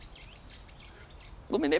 ごめんね。